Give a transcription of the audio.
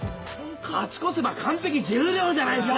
勝ち越せば完璧十両じゃないっすか。